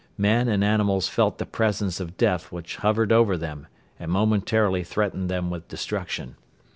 Men and animals felt the presence of death which hovered over them and momentarily threatened them with destruction.